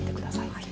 はい。